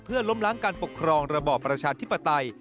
เพื่อล้มล้างการปกครองระบอบประชาธิปไตย